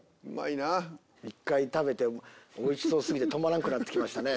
１回食べておいしそう過ぎて止まらんくなってきましたね。